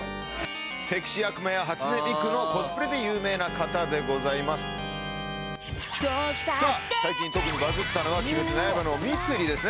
セクシー悪魔や初音ミクのコスプレで有名な方でございますさあ最近特にバズったのは「鬼滅の刃」の蜜璃ですね